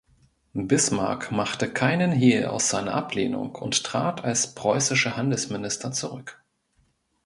Bismarck machte keinen Hehl aus seiner Ablehnung und trat als preußischer Handelsminister zurück.